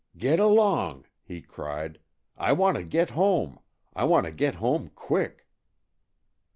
"Get along," he cried. "I want to get home. I want to get home quick."